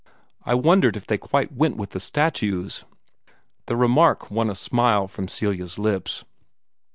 "I wondered if they quite went with the statues." The remark won a smile from Celia's lips.